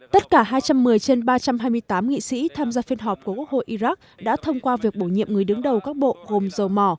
tất cả hai trăm một mươi trên ba trăm hai mươi tám nghị sĩ tham gia phiên họp của quốc hội iraq đã thông qua việc bổ nhiệm người đứng đầu các bộ gồm dầu mỏ